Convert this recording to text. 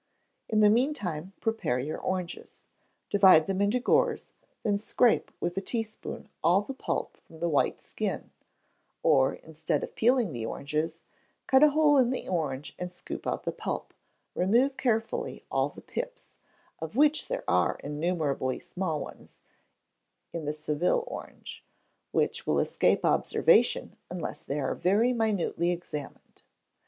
In the meantime prepare your oranges; divide them into gores, then scrape with a teaspoon all the pulp from the white skin; or, instead of peeling the oranges, cut a hole in the orange and scoop out the pulp: remove carefully all the pips, of which there are innumerable small ones in the Seville orange, which will escape observation unless they are very minutely examined.